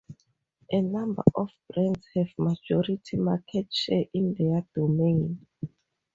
A number of brands have majority market share in their domain.